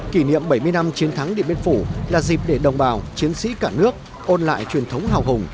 kỷ niệm bảy mươi năm chiến thắng điện biên phủ là dịp để đồng bào chiến sĩ cả nước ôn lại truyền thống hào hùng